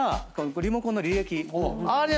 リモコンの履歴。